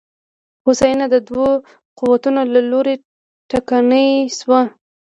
هوساینه د دوو قوتونو له لوري ټکنۍ شوه.